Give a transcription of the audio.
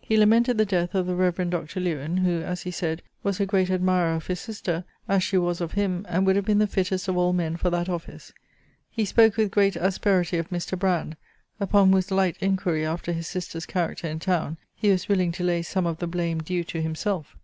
He lamented the death of the reverend Dr. Lewen, who, as he said, was a great admirer of his sister, as she was of him, and would have been the fittest of all men for that office. He spoke with great asperity of Mr. Brand, upon whose light inquiry after his sister's character in town he was willing to lay some of the blame due to himself.